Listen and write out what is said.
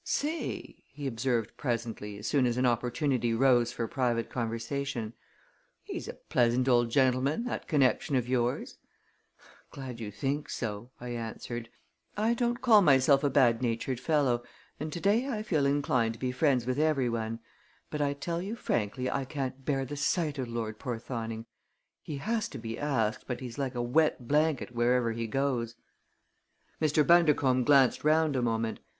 "Say!" he observed presently, as soon as an opportunity rose for private conversation. "He's a pleasant old gentleman, that connection of yours!" "Glad you think so," I answered. "I don't call myself a bad natured fellow, and to day I feel inclined to be friends with every one; but I tell you frankly I can't bear the sight of Lord Porthoning. He has to be asked, but he's like a wet blanket wherever he goes." Mr. Bundercombe glanced round a moment.